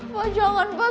pak jangan pak